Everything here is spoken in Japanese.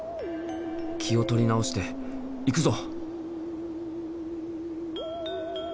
気を取り直して行くぞ！